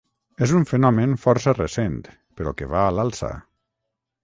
És un fenomen força recent, però que va a l’alça.